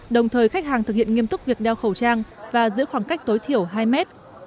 đồng thời khách hàng thực hiện nghiêm túc việc đeo khẩu trang và giữ khoảng cách tối thiểu hai mét